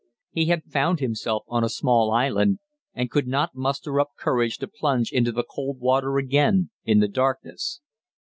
He had found himself on a small island, and could not muster up courage to plunge into the cold water again in the darkness.